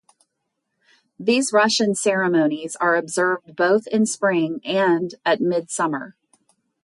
These Russian ceremonies are observed both in spring and at midsummer.